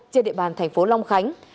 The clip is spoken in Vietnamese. trên địa bàn tp long khánh